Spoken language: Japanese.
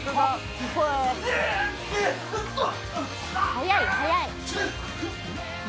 「速い速い！」